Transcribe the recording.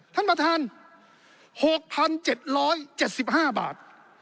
ท่านประธาน๖๗๗๕บาท